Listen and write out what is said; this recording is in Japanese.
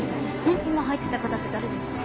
今入ってった方って誰ですか？